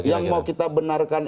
yang mau kita benarkan